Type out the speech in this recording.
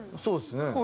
そうですね。